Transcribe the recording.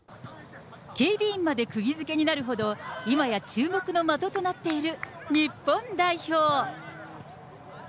警備員までくぎ付けになるほど、今や注目の的となっている日本代表。